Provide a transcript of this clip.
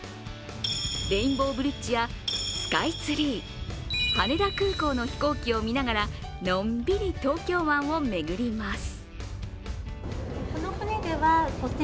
レインボーブリッジやスカイツリー、羽田空港の飛行機を見ながらのんびり東京湾を巡ります。